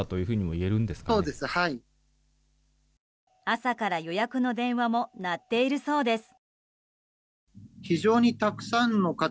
朝から予約の電話も鳴っているそうです。